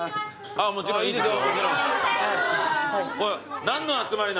あっもちろんいいですよ。